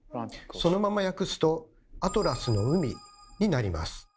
そのまま訳すと「アトラスの海」になります。